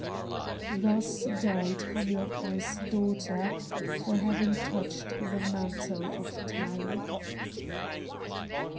Thus died Hamilcar's daughter for having touched the mantle of Tanith.